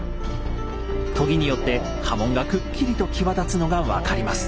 研ぎによって刃文がくっきりと際立つのが分かります。